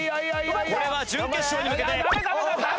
これは準決勝に向けて。